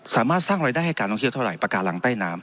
สามารถสร้างรายได้ให้การท่องเที่ยวเท่าไหปากการังใต้น้ำ